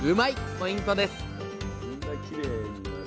ポイントです